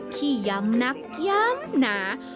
ที่ย้ำนักย้ำหนา